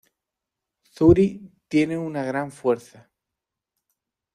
Zuri tiene una gran fuerza.